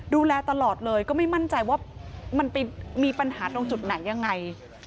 ดูแลตลอดเลยก็ไม่มั่นใจว่ามันไปมีปัญหาตรงจุดไหนยังไง